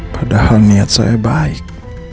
padahal niat saya baik